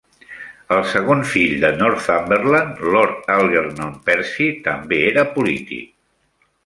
El segon fill de Northumberland, Lord Algernon Percy, també era polític.